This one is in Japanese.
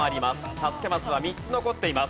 助けマスは３つ残っています。